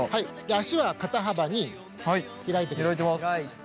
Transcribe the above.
足は肩幅に開いてください。